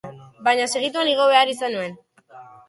Baina segituan igo behar izan nuen.